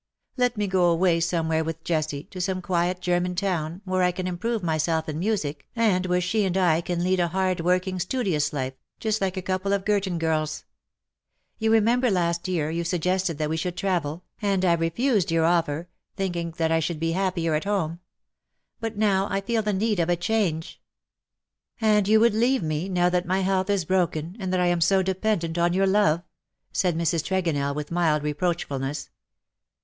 Let me go away somewhere with Jessie, to some quiet German town, where I can improve myself in music, and where she and I can lead a hard working, studious life, just like a couple of Girton girls. You remember, last year you suggested that we should travel, and I refused 96 '^^ BUT HERE IS ONE WHO your offer, thinking that I should be happier at home ; but now I feel the need of a change." ^' And you would leave me, now that my health is broken, and that I am so dependent on your love 1'' said Mrs. Tregonell, with mild reproachfulness.